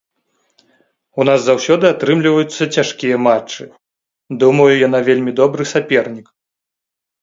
У нас заўсёды атрымліваюцца цяжкія матчы, думаю, яна вельмі добры сапернік.